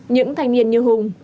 những thanh niên như hùng